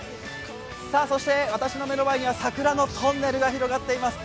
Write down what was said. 私の前の前には桜のトンネルが広がっています。